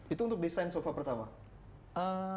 itu untuk desain sofa pertama